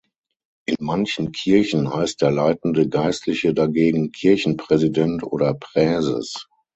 In manchen Kirchen heißt der leitende Geistliche dagegen Kirchenpräsident oder Präses.